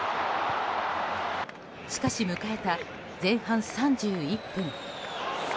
しかし、迎えた前半３１分。